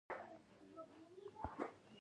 پیاز د سینې تنګوالی کموي